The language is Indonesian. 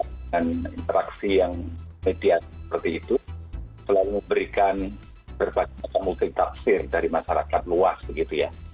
dan interaksi yang mediat seperti itu selalu memberikan berbagai macam multi tafsir dari masyarakat luas begitu ya